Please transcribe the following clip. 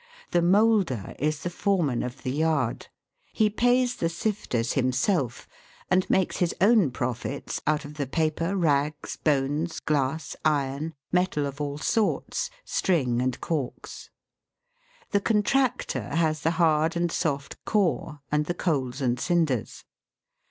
The "moulder" is the foreman of HARD CORE AND SOFT CORE. 285 the yard. He pays the sifters himself, and makes his own profits out of the paper, rags, bones, glass, iron, metal of all sorts, string, and corks. The contractor has the hard and soft " core " and the coals and cinders.